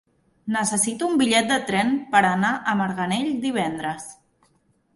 Necessito un bitllet de tren per anar a Marganell divendres.